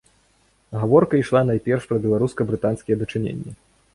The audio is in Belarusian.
Гаворка ішла найперш пра беларуска-брытанскія дачыненні.